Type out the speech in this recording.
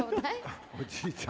あっおじいちゃん！